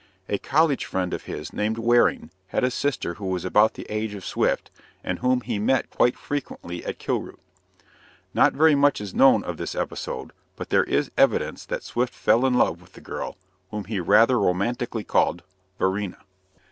A college friend of his named Waring had a sister who was about the age of Swift, and whom he met quite frequently at Kilroot. Not very much is known of this episode, but there is evidence that Swift fell in love with the girl, whom he rather romantically called "Varina."